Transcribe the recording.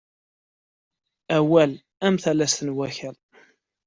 Awal am talast n wakal.